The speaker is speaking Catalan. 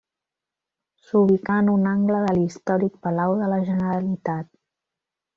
S'ubicà en un angle de l'històric Palau de la Generalitat.